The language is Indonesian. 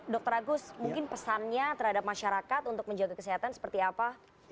dr agus mungkin pesannya terhadap masyarakat untuk menjaga kesehatan seperti apa